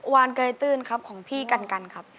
วานเกยตื้นครับของพี่กันกันครับ